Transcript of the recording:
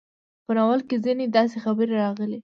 په ناول کې ځينې داسې خبرې راغلې